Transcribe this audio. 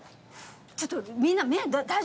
ちょっとみんな目大丈夫？